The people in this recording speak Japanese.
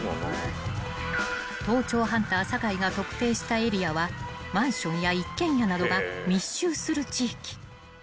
［盗聴ハンター酒井が特定したエリアはマンションや一軒家などが密集する地域］